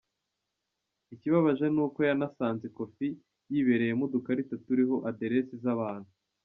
Ikibabaje ni uko yanasanze ikofi yibereyemo udukarita turiho aderesi z’abantu.